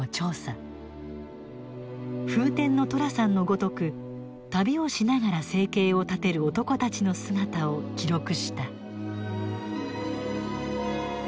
フーテンの寅さんのごとく旅をしながら生計を立てる男たちの姿を記録した。